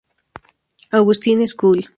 Augustine School".